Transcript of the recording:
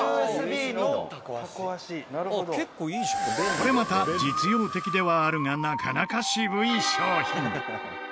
これまた実用的ではあるがなかなか渋い商品。